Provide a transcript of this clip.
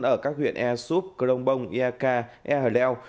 ở các huyện e soup cờ đông bông e ca e hở đeo